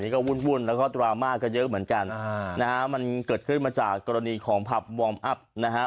ก็วุ่นแล้วก็ดราม่าก็เยอะเหมือนกันนะฮะมันเกิดขึ้นมาจากกรณีของผับวอร์มอัพนะฮะ